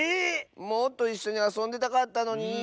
もっといっしょにあそんでたかったのに。